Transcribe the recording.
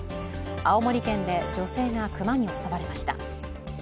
青森県で女性が熊に襲われました。